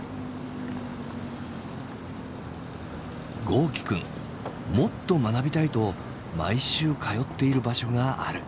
豪輝くんもっと学びたいと毎週通っている場所がある。